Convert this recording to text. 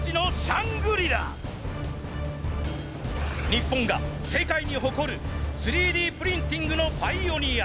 日本が世界に誇る３Ｄプリンティングのパイオニア。